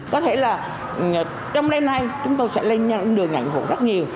có thể là trong đêm nay chúng tôi sẽ lên đường ngành hộ rất nhiều